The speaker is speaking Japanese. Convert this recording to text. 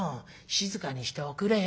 静かにしておくれよ。